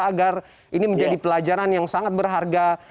agar ini menjadi pelajaran yang sangat berharga